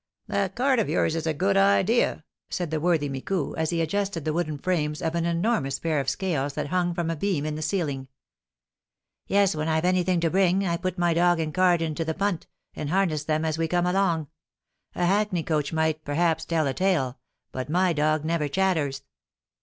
"That cart of yours is a good idea," said the worthy Micou, as he adjusted the wooden frames of an enormous pair of scales that hung from a beam in the ceiling. "Yes; when I've anything to bring, I put my dog and cart into the punt, and harness them as we come along. A hackney coach might, perhaps, tell a tale, but my dog never chatters."